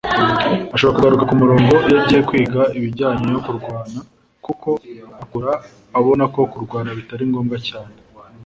Ashobora kugaruka ku murongo iyo agiye kwiga ibijyanye no kurwana kuko akura abona ko kurwana bitari ngombwa cyane